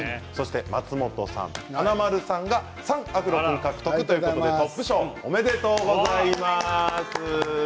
松本さん、華丸さんが３アフロ君獲得で、トップ賞おめでとうございます。